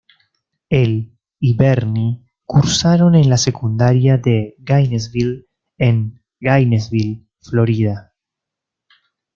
Él y Bernie cursaron en la secundaria de Gainesville en Gainesville, Florida.